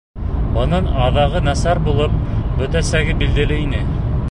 Бының аҙағы насар булып бөтәсәге билдәле ине.